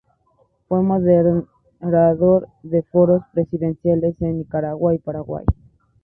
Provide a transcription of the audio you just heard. Fue moderador de Foros Presidenciales en Nicaragua y Paraguay.